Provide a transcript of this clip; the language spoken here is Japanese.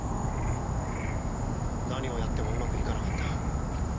何をやってもうまくいかなかった。